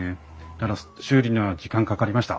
だから修理には時間かかりました。